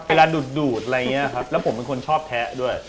ดูดอะไรอย่างนี้ครับแล้วผมเป็นคนชอบแทะด้วย